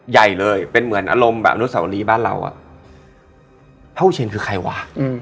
ใหญ่เลยเป็นเหมือนอารมณ์แบบอนุสาวรีบ้านเราอ่ะพระอุเชนคือใครวะ